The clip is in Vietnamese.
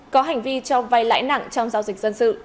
có hành vi cho vay lãi nặng trong giao dịch dân sự